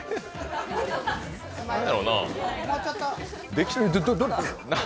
何だろうな。